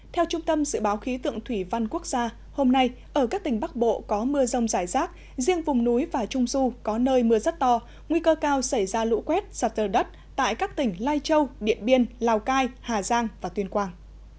theo trung tâm dự báo khí tượng thủy văn quốc gia hôm nay ở các tỉnh bắc bộ có mưa rông rải rác riêng vùng núi và trung du có nơi mưa rất to nguy cơ cao xảy ra lũ quét sạt lở đất tại các tỉnh lai châu điện biên lào cai hà giang và tuyên quang